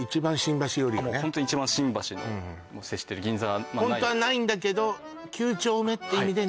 もうホントに一番新橋の接してる銀座ナインホントはないんだけどはいあっ